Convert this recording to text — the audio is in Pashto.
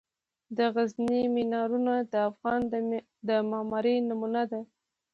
د غزني مینارونه د افغان د معمارۍ نمونه دي.